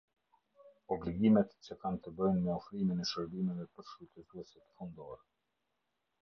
Obligimet që kanë të bëjnë me ofrimin e shërbimeve për shfrytëzuesit fundor.